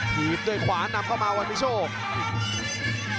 หยีบด้วยขวานนำเข้ามาวันมีโชค